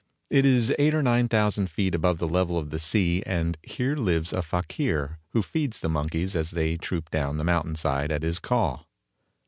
It is eight or nine thousand feet above the level of the sea, and here lives a fakir, who feeds the monkeys as they troop down the mountainside at his call.